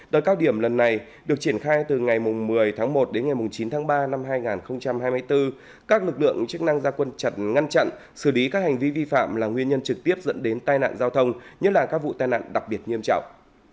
tới cao điểm lần này được triển khai từ ngày một mươi tháng một đến ngày chín tháng ba năm hai nghìn hai mươi bốn các lực lượng chức năng gia quân chặt ngăn chặn xử lý các hành vi vi phạm là nguyên nhân trực tiếp dẫn đến tai nạn giao thông nhất là các vụ tai nạn đặc biệt nghiêm trọng